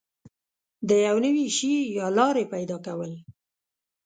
د یو نوي شي یا لارې پیدا کول